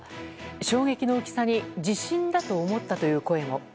衝撃の大きさに地震だと思ったという声も。